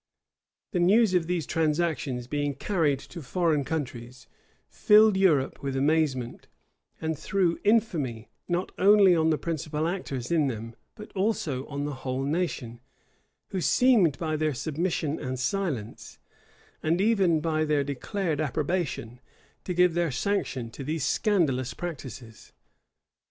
The news of these transactions, being carried to foreign countries, filled Europe with amazement, and threw infamy, not only on the principal actors in them, but also on the whole nation, who seemed, by their submission and silence, and even by their declared approbation, to give their sanction to these scandalous practices.